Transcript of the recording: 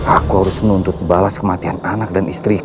aku harus menuntut balas kematian anak dan istriku